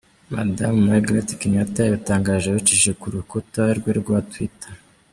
Madame Margaret Kenyatta yabitangaje abicishije ku rubuga rwe rwa Twitter.